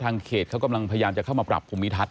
เขตเขากำลังพยายามจะเข้ามาปรับภูมิทัศน